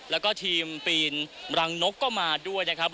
แล้วก็ทีมปีนรังนกก็มาด้วยนะครับ